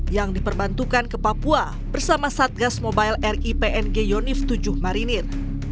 yang diperbantukan ke papua bersama satgas mobile ri png yonif tujuh marinir